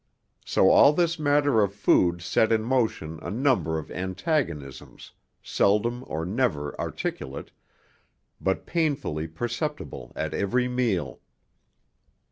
So all this matter of food set in motion a number of antagonisms seldom or never articulate, but painfully perceptible at every meal.